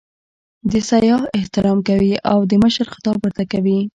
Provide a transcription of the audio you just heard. د سیاح احترام کوي او د مشر خطاب ورته کوي.